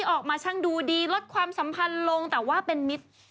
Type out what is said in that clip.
ออกมาช่างดูดีลดความสัมพันธ์ลงแต่ว่าเป็นมิตร